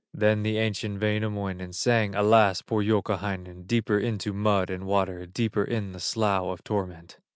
Then the ancient Wainamoinen Sang alas! poor Youkahainen Deeper into mud and water, Deeper in the slough of torment.